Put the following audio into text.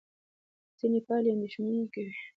ځینې پایلې اندېښمنوونکې وې.